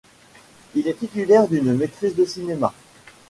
Il est titulaire d'une maîtrise de cinéma.